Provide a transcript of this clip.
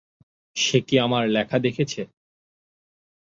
সে কি আমার লেখা দেখেছে?